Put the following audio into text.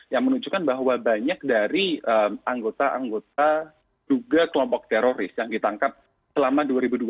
yang menunjukkan bahwa banyak dari anggota anggota juga kelompok teroris yang ditangkap selama dua ribu dua belas